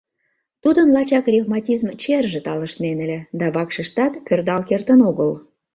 Тудын лачак ревматизм черже талышнен ыле, да вакшыштат пӧрдал кертын огыл.